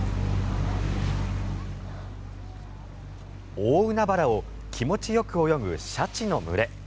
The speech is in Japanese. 大海原を気持ちよく泳ぐシャチの群れ。